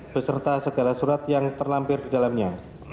beserta segala surat yang terlampir di dalamnya